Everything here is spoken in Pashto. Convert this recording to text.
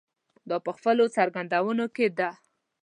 دا په خپلو څرګندونو کې ده.